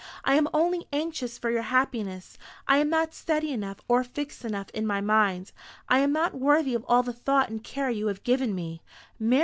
I am only anxious for your happiness. I am not steady enough, or fixed enough, in my mind. I am not worthy of all the thought and care you have given me."